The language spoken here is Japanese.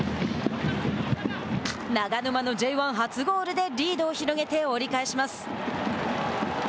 長沼のＪ１初ゴールでリードを広げて折り返します。